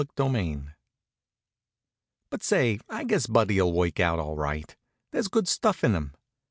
CHAPTER X But say, I guess Buddy'll work out all right. There's good stuff in him.